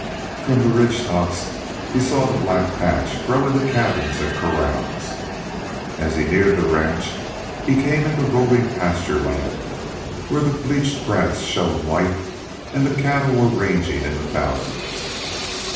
From the ridge tops he saw the black patch grow into cabins and corrals. As he neared the ranch he came into rolling pasture land where the bleached grass shone white and the cattle were ranging in the thousands.